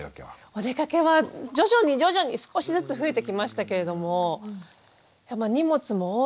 おでかけは徐々に徐々に少しずつ増えてきましたけれども荷物も多いですし